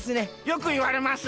よくいわれます。